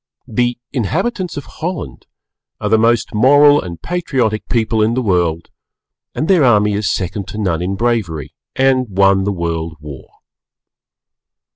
The inhabitants of Holland are the most Moral and Patriotic people in the World, and their army is second to none in bravery and won the World War.